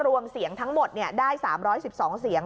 รวมเสียงทั้งหมดได้๓๑๒เสียง